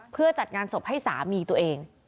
เพื่อจัดงานศพให้สามีตัวเอง